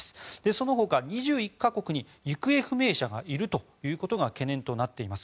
そのほか２１か国に行方不明者がいるということが懸念となっています。